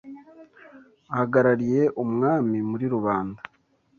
ahagarariye umwami muri rubanda